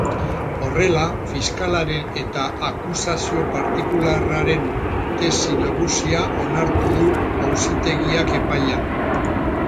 Horrela, fiskalaren eta akusazio partikularraren tesi nagusia onartu du auzitegiak epaian.